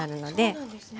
そうなんですね。